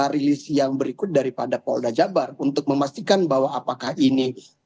rilis yang berikut daripada polda jabar untuk memastikan bahwa apakah ini